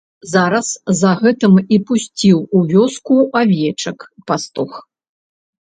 Зараз за гэтым і пусціў у вёску авечак пастух.